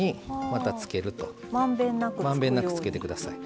まんべんなくつけて下さい。